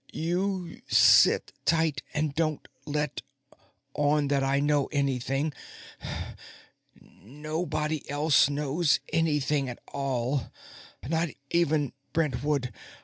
You sit tight and don't let on that I know anything. Nobody else knows anything at all. Not even Brentwood.